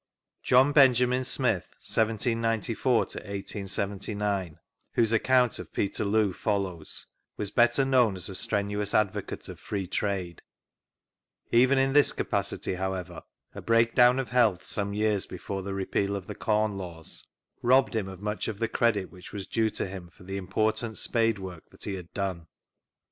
JOHN BENJAMIN SMITH (1794 1879), whose account of Peterloo follows, was better known as a strenuous advocate of Free Trade ; even in this capacity, however, a breakdown of health some years before the Repeal of the Corn Laws, robbed him of much of the credit which was due to him for the important spade work that he had done.